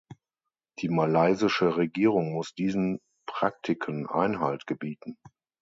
Die malaysische Regierung muss diesen Praktiken Einhalt gebieten.